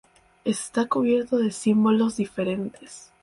Está cubierto de símbolos diferentes.